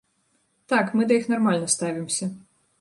Так, мы да іх нармальна ставімся.